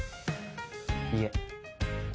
いえ。